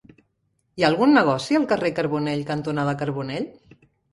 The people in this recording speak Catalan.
Hi ha algun negoci al carrer Carbonell cantonada Carbonell?